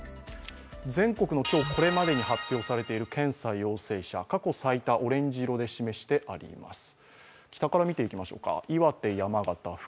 全国の今日これまでに発表されている検査陽性者、過去最多、オレンジ色で示してありす。